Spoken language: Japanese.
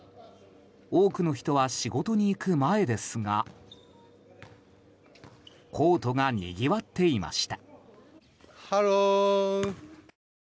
多くの人は仕事に行く前ですがコートがにぎわっていました。